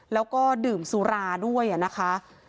แล้วก็ดื่มสุราด้วยนะคะ